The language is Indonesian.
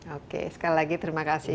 oke sekali lagi terima kasih